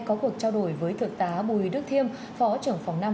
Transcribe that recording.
có cuộc trao đổi với thượng tá bùi đức thiêm phó trưởng phòng năm